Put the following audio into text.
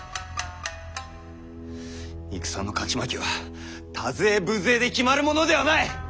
戦の勝ち負けは多勢無勢で決まるものではない！